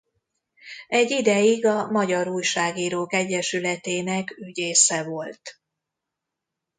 Egy ideig a Magyar Újságírók Egyesületének ügyésze volt.